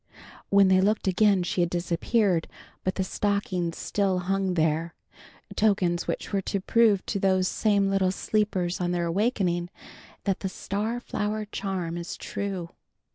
When they looked again she had disappeared, but the stockings still hung there, tokens which were to prove to those same little sleepers on their awakening that the star flower charm is true.